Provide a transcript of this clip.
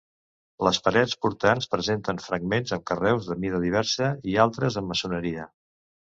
Les parets portants presenten fragments amb carreus de mida diversa i altres amb maçoneria.